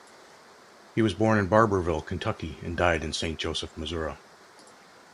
He was born in Barbourville, Kentucky and died in Saint Joseph, Missouri.